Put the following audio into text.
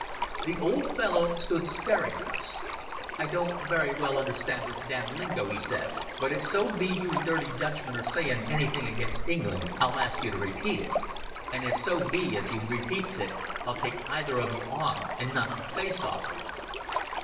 The old fellow stood staring at us. "I don't very well understand this damned lingo," he said; "but if so be you dirty Dutchmen are sayin' anything against England, I'll ask you to repeat it. And if so be as you repeats it I'll take either of you on and knock the face off him."